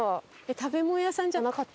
食べ物屋さんじゃなかった？